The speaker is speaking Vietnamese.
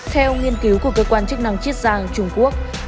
theo nghiên cứu của cơ quan chức năng chiết giang trung quốc